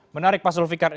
menarik pak sulvikar